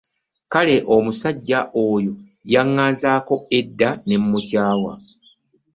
Kale musajja wo yaŋŋanzaako edda ne mmukyawa.